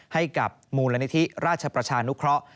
ให้กับมูลนิธิราชประชานุเคราะห์